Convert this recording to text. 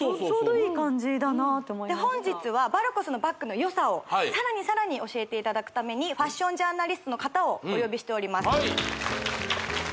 本日はバルコスのバッグのよさをさらにさらに教えていただくためにファッションジャーナリストの方をお呼びしております